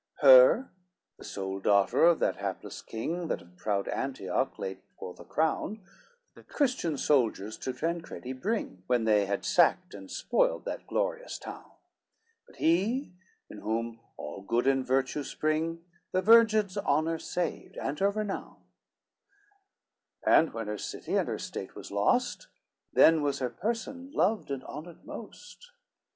LVI Her the sole daughter of that hapless king, That of proud Antioch late wore the crown, The Christian soldiers to Tancredi bring, When they had sacked and spoiled that glorious town; But he, in whom all good and virtue spring, The virgin's honor saved, and her renown; And when her city and her state was lost, Then was her person loved and honored most.